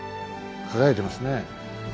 輝いてますね。